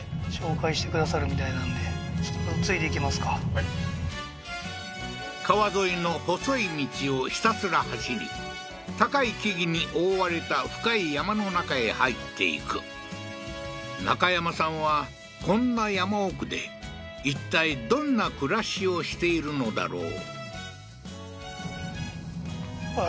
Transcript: はい川沿いの細い道をひたすら走り高い木々に覆われた深い山の中へ入っていくナカヤマさんはこんな山奥でいったいどんな暮らしをしているのだろう？